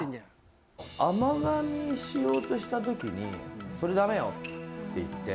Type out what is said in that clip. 甘がみしようとした時に「それダメよ」って言って。